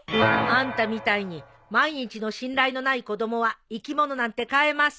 あんたみたいに毎日の信頼のない子供は生き物なんて飼えません。